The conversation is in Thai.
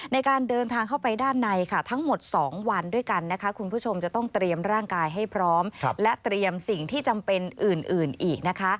ในการเดินทางเข้าไปด้านในค่ะทั้งหมด๒วันด้วยกันนะคะคุณผู้ชมจะต้องเตรียมร่างกายให้พร้อมและเตรียมสิ่งที่จำเป็นอื่นอีกนะคะ